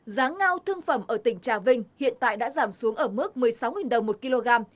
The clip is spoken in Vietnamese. giá ngao thương phẩm ở tỉnh trà vinh hiện tại đã giảm xuống ở mức một mươi sáu đồng một kg